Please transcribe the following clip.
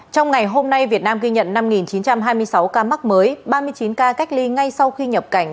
trong ngày hôm nay việt nam ghi nhận năm chín trăm hai mươi sáu ca mắc mới ba mươi chín ca cách ly ngay sau khi nhập cảnh